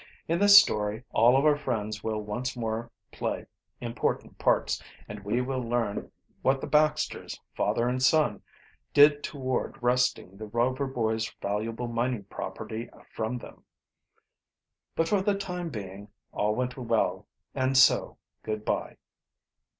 In this story all of our friends will once more play important parts, and we will learn what the Baxters, father and son, did toward wresting the Rover Boys' valuable mining property from them. But for the time being all went well, and so good by.